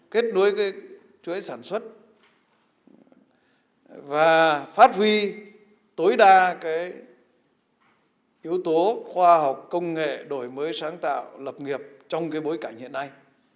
kết nối chuỗi sản xuất và phát huy tối đa yếu tố khoa học công nghệ đổi mới sáng tạo lập nghiệp trong bối cảnh hiện nay